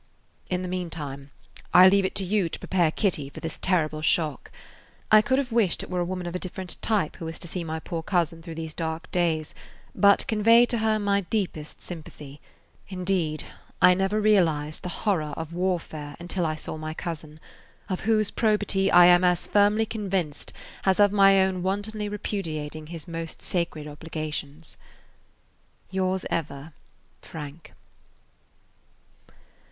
In the meantime I leave it to you to prepare Kitty for this terrible shock. I could have wished it were a woman of a different type who was to see my poor cousin through these dark days, but convey to her my deepest sympathy. Indeed, I never realized the horror of warfare until I saw my cousin, of whose probity I am as firmly convinced as of my own wantonly repudiating his most sacred obligations. Yours ever, FRANK.